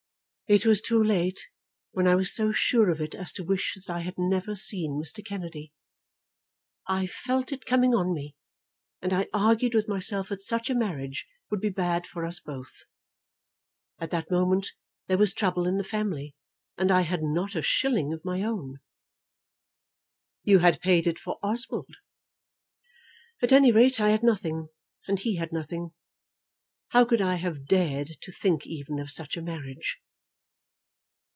"It was too late, when I was so sure of it as to wish that I had never seen Mr. Kennedy. I felt it coming on me, and I argued with myself that such a marriage would be bad for us both. At that moment there was trouble in the family, and I had not a shilling of my own." "You had paid it for Oswald." "At any rate, I had nothing; and he had nothing. How could I have dared to think even of such a marriage?"